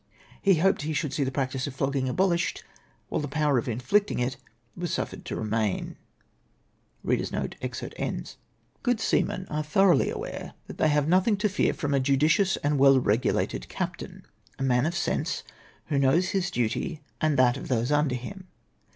He hoped he should see the practice of flogging abolished, while the power of inflicting it was suffered to remain." Good seamen are tlioroiiglily aware that tliey have nothing to fear from a judicious and well regulated captain, a man of sense, who knows his duty and that of those under him.